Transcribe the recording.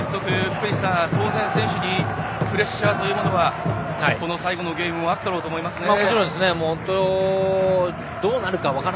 福西さん、当然選手にプレッシャーというものはこの最後のゲームもあっただろうと思いますね。